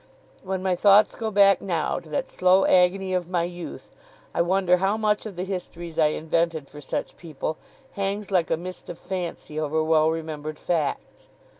When my thoughts go back, now, to that slow agony of my youth, I wonder how much of the histories I invented for such people hangs like a mist of fancy over well remembered facts!